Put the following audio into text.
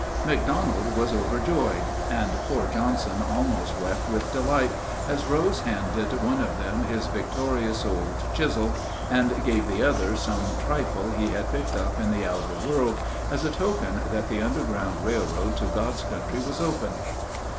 McDonald was overjoyed, and poor Johnson almost wept with delight, as Rose handed one of them his victorious old chisel, and gave the other some trifle he had picked up in the outer world as a token that the Underground Railroad to God's Country was open.